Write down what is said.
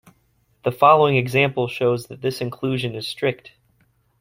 The following example shows that this inclusion is strict.